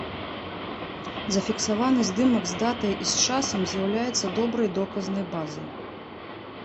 Зафіксаваны здымак з датай і з часам з'яўляецца добрай доказнай базай.